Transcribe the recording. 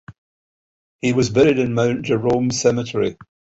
He was buried in Mount Jerome Cemetery.